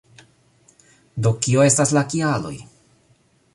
Do, kio estas la kialoj